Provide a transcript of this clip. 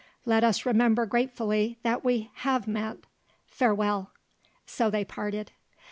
Let us remember gratefully that we have met. Farewell." So they parted.